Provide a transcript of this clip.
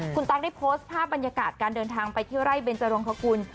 คุณตั๊กได้โพสต์ภาพบรรยากาศการเดินทางไปเที่ยวไร่เบนจรงคกุล